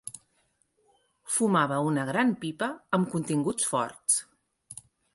Fumava una gran pipa amb continguts forts.